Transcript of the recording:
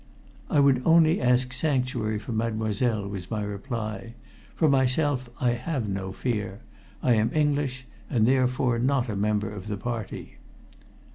"I would only ask sanctuary for Mademoiselle," was my reply. "For myself, I have no fear. I am English, and therefore not a member of the Party."